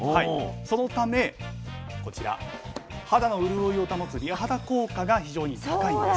そのためこちら肌の潤いを保つ美肌効果が非常に高いんです。